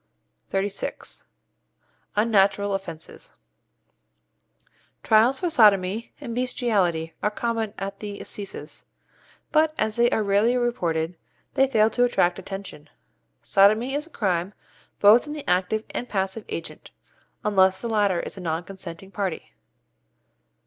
XXXVI. UNNATURAL OFFENCES Trials for =sodomy= and =bestiality= are common at the assizes, but, as they are rarely reported, they fail to attract attention. Sodomy is a crime both in the active and passive agent, unless the latter is a non consenting party.